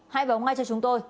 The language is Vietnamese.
hãy vào ngay cho chúng tôi